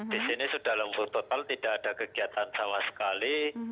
di sini sudah lumpur total tidak ada kegiatan sama sekali